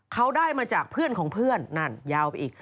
เขาได้มาจากเพื่อนของเพื่อนนั่นยาวไปอีก